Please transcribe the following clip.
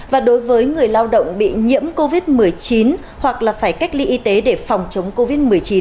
và đối với người lao động bị nhiễm covid một mươi chín hoặc là phải cách ly y tế để phòng chống covid một mươi chín